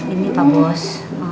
ini pak bos